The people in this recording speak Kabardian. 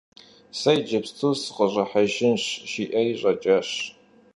- Сэ иджыпсту сыкъыщӀыхьэжынщ, – жиӀэри щӀэкӀащ.